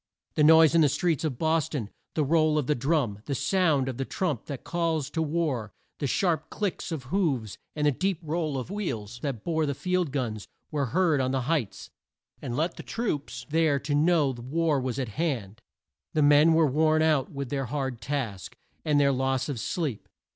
The noise in the streets of Bos ton, the roll of the drum, the sound of the trump that calls to war, the sharp click of hoofs, and the deep roll of wheels that bore the field guns, were heard on the heights, and let the troops there know that war was at hand. The men were worn out with their hard task, and their loss of sleep.